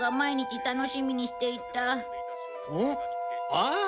ああ！